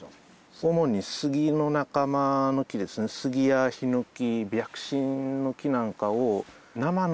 主にスギの仲間の木スギやヒノキビャクシンの木なんかを。